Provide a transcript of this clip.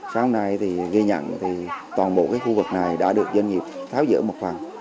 sáng nay thì ghi nhận thì toàn bộ khu vực này đã được doanh nghiệp tháo dỡ một phần